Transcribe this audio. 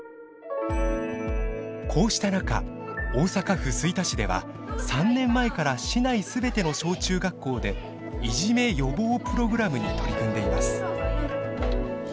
こうした中大阪府吹田市では３年前から市内全ての小中学校で「いじめ予防プログラム」に取り組んでいます。